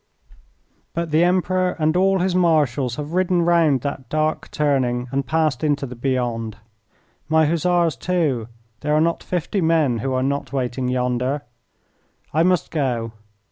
But the Emperor and all his Marshals have ridden round that dark turning and passed into the beyond. My Hussars, too there are not fifty men who are not waiting yonder. I must go.